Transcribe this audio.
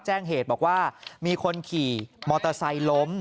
แจ้งเหตุบอกว่ามีคนขี่มอเตอร์ไซค์ล้ม